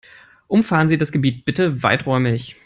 Umfahren Sie das Gebiet bitte weiträumig.